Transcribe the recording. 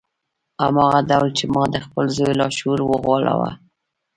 هماغه ډول چې ما د خپل زوی لاشعور وغولاوه